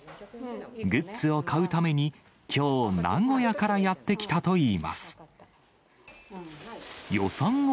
グッズを買うために、きょう、名古屋からやって来たといいます。